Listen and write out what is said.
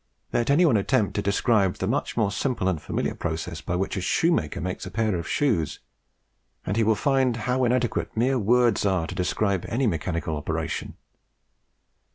Let any one attempt to describe the much more simple and familiar process by which a shoemaker makes a pair of shoes, and he will find how inadequate mere words are to describe any mechanical operation.